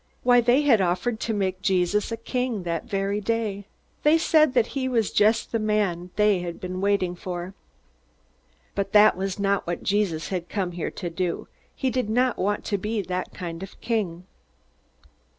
Why, they had offered to make Jesus a king that very day! They said that he was just the man they had been waiting for! But that was not what Jesus had come to do. He did not want to be that kind of king.